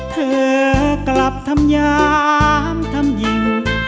เธอกลับทำยามทำหญิง